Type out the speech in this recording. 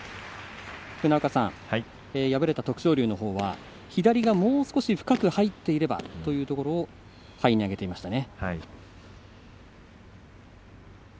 敗れた徳勝龍のほうは左がもう少し深く入っていればというところを敗因に挙げていましたね。